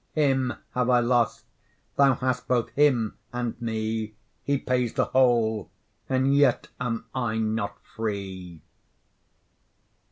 Him have I lost; thou hast both him and me: He pays the whole, and yet am I not free.